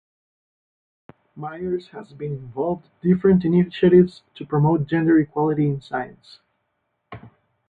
Myers has been involved different initiatives to promote gender equality in science.